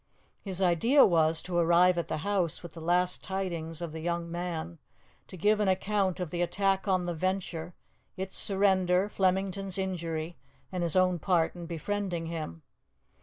His idea was to arrive at the house with the last tidings of the young man; to give an account of the attack on the Venture, its surrender, Flemington's injury, and his own part in befriending him.